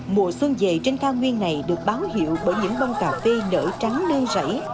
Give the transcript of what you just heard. mùa xuân về trên cao nguyên này được báo hiệu bởi những bông cà phê nở trắng nơi rảy